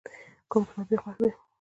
کوم کتاب دې خوښ دی؟